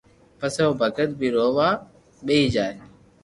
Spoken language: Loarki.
پسي او بگت بي رووا ٻيئي جائي